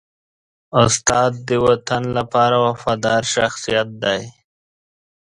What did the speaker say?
استاد د وطن لپاره وفادار شخصیت دی.